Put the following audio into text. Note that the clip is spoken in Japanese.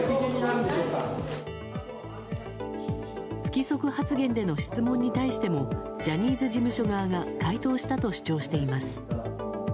不規則発言での質問に対してもジャニーズ事務所側が回答したと主張しています。